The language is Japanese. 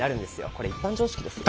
これ一般常識ですよ。